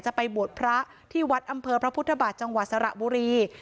ไปบวชพระที่วัดอำเภอพระพุทธบาทจังหวัดสระบุรี